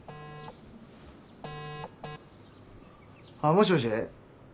もしもし？